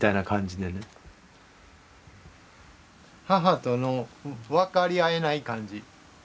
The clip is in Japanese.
母との分かり合えない感じ。